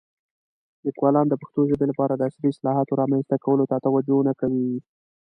لیکوالان د پښتو ژبې لپاره د عصري اصطلاحاتو رامنځته کولو ته توجه نه کوي.